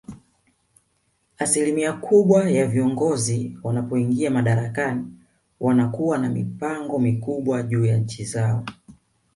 Asilimia kubwa ya viongozi wanapoingia madarakani wanakuwa na mipango mikubwa juu ya nchi zao